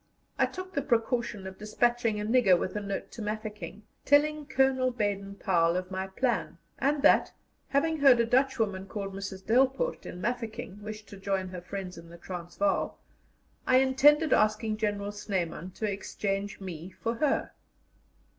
I took the precaution of despatching a nigger with a note to Mafeking, telling Colonel Baden Powell of my plan, and that, having heard a Dutch woman called Mrs. Delpoort, in Mafeking, wished to join her friends in the Transvaal, I intended asking General Snyman to exchange me for her.